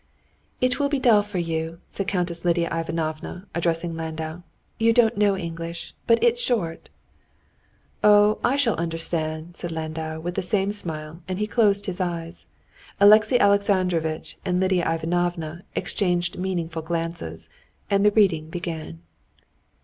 "It will be dull for you," said Countess Lidia Ivanovna, addressing Landau; "you don't know English, but it's short." "Oh, I shall understand," said Landau, with the same smile, and he closed his eyes. Alexey Alexandrovitch and Lidia Ivanovna exchanged meaningful glances, and the reading began.